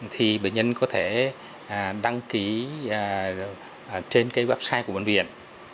thì bệnh nhân có thể đăng ký trên website của bệnh viện